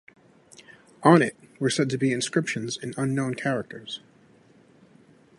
On it were said to be inscriptions in unknown characters.